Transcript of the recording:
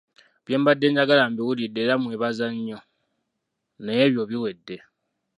Bye mbadde njagala mbiwulidde era mmwebaza nnyo; naye ebyo biwedde.